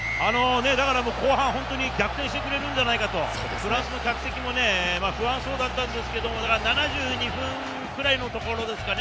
後半本当は逆転してくれるんじゃないかというフランスの客席も不安そうだったんですけども、７２分ぐらいのところですかね。